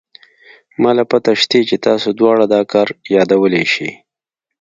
ما له پته شتې چې تاسې دواړه دا كار يادولې شې.